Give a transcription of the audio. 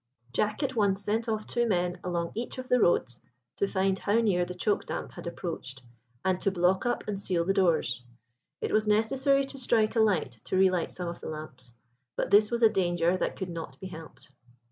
Jack at once sent off two men along each of the roads to find how near the choke damp had approached, and to block up and seal the doors. It was necessary to strike a light to relight some of the lamps, but this was a danger that could not be helped.